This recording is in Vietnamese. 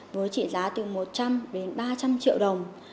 với trị giá từ một trăm linh đến ba trăm linh triệu đồng